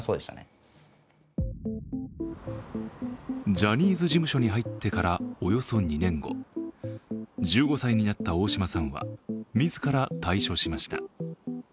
ジャニーズ事務所に入ってからおよそ２年後、１５歳になった大島さんは自ら退所しました。